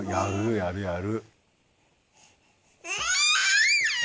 あるある。